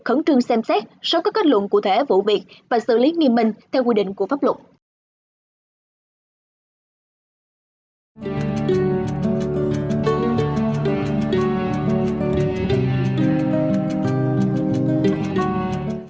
khẩn trương xem xét sớm có kết luận cụ thể vụ việc và xử lý nghiêm minh theo quy định của pháp luật